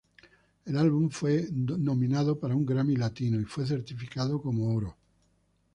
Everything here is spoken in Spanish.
El álbum fue nominado para un Grammy Latino y fue certificado como Gold.